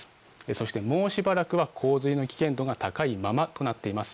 そして、もうしばらくは洪水の危険度が高いままとなっています。